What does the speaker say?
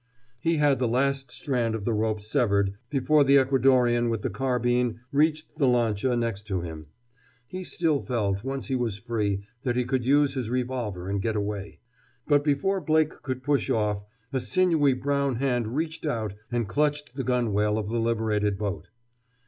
He had the last strand of the rope severed before the Ecuadorean with the carbine reached the lancha next to him. He still felt, once he was free, that he could use his revolver and get away. But before Blake could push off a sinewy brown hand reached out and clutched the gunwale of the liberated boat.